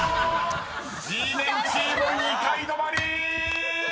［Ｇメンチーム２階止まり！］